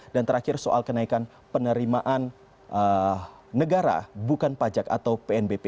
dan terakhir soal kenaikan penerimaan negara bukan pajak atau pnbp